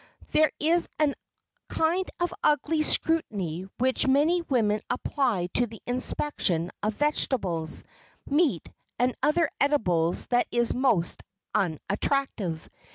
There is a kind of ugly scrutiny which many women apply to the inspection of vegetables, meat and other edibles that is most unattractive.